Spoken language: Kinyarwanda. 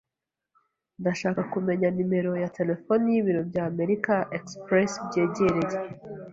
Ndashaka kumenya nimero ya terefone y'ibiro bya American Express byegereye.